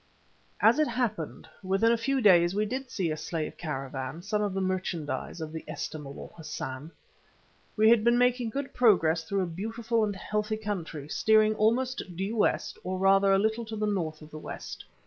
As it happened, within a few days we did see a slave caravan, some of the merchandise of the estimable Hassan. We had been making good progress through a beautiful and healthy country, steering almost due west, or rather a little to the north of west.